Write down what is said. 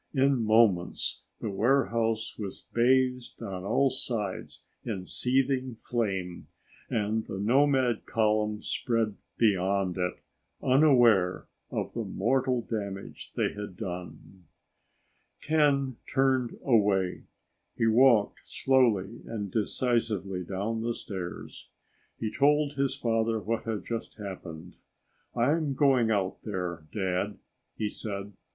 In moments the warehouse was bathed on all sides in seething flame, and the nomad column spread beyond it, unaware of the mortal damage they had done. Ken turned away. He walked slowly and decisively down the stairs. He told his father what had just happened. "I'm going out there, Dad," he said.